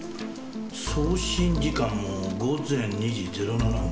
送信時間も午前２時０７分。